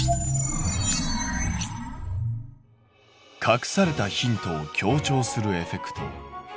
隠されたヒントを強調するエフェクト。